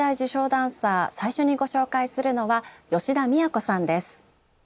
ダンサー最初にご紹介するのは吉田都さんです。